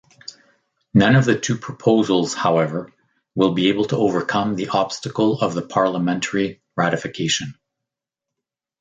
None of the two proposals, however, will be able to overcome the obstacle of the parliamentary ratification.